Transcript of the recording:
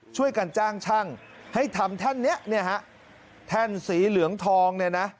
ช่วยกันจ้างช่างให้ทำแท่นนี้เนี่ยฮะแท่นสีเหลืองทองเนี่ยนะ